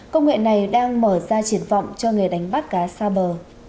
công nghệ này đang mở ra triển vọng cho nghề đánh bắt cá xa bờ